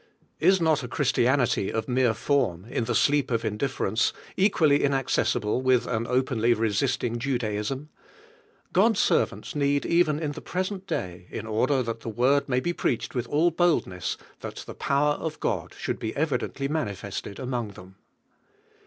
Is not a Christianity of mere form, in the sleep of indifference, equally inaccessible with an openly resisting Judaism? God's servants need even in Ihe prcsetil day, in order [3kjI Hie Word may be preached with nil boldness, that the power of God should he evidently manifested among them.